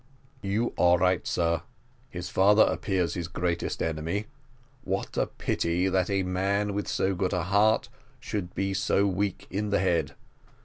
"You are right, sir; his father appears his greatest enemy. What a pity that a man with so good a heart should be so weak in the head!